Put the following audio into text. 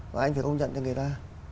và anh phải công nhận cho người ta